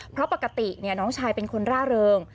เพราะปกติน้องชายเป็นคนร่าเริง